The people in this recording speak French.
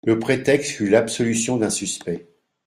Le prétexte fut l'absolution d'un suspect.